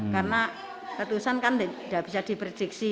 karena letusan kan tidak bisa diprediksi